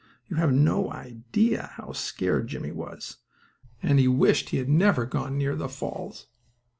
You have no idea how scared Jimmie was, and he wished he had never gone near the falls.